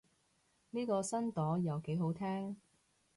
呢個新朵又幾好聽